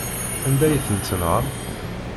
Anda ay tent-tenɣam?